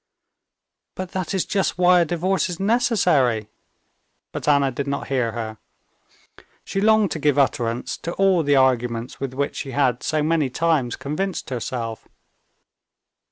"But that is just why a divorce is necessary." But Anna did not hear her. She longed to give utterance to all the arguments with which she had so many times convinced herself.